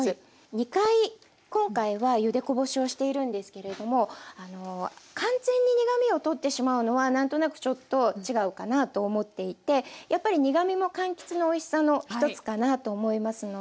２回今回はゆでこぼしをしているんですけれども完全に苦みを取ってしまうのは何となくちょっと違うかなと思っていてやっぱり苦みもかんきつのおいしさの一つかなと思いますので。